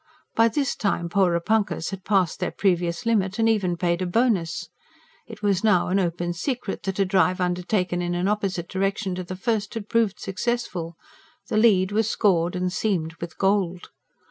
By this time "Porepunkahs" had passed their previous limit, and even paid a bonus: it was now an open secret that a drive undertaken in an opposite direction to the first had proved successful; the lead was scored and seamed with gold.